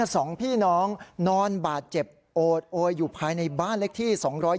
สองพี่น้องนอนบาดเจ็บโอดโอยอยู่ภายในบ้านเลขที่๒๒